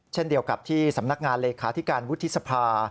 เช่นเดียวกับที่สำนักงานเลขาธิการวุฒิสภา